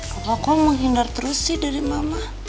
papa kok mau hindar terus sih dari mama